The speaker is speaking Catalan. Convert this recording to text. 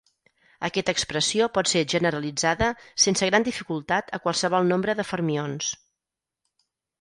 Aquesta expressió pot ser generalitzada sense gran dificultat a qualsevol nombre de fermions.